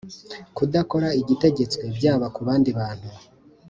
kudakora igitegetswe byaba kubandi bantu